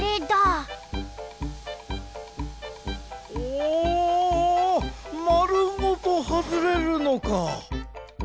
おまるごとはずれるのか。